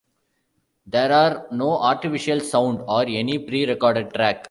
There are no artificial sound or any pre-recorded track.